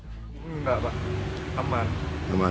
tidak pak aman